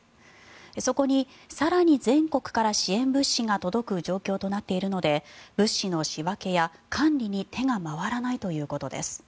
そこに更に全国から支援物資が届く状況となっているので物資の仕分けや管理に手が回らないということです。